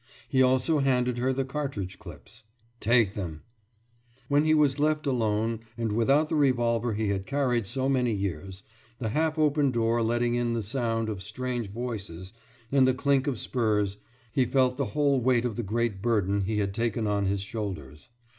He also handed her the cartridge clips. »Take them!« When he was left alone and without the revolver he had carried so many years, the half open door letting in the sound of strange voices and the clink of spurs, he felt the whole weight of the great burden he had taken on his shoulders.